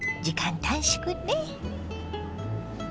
時間短縮ね。